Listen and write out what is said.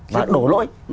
và đổ lỗi